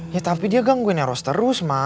ya tapi dia gangguin eros terus ma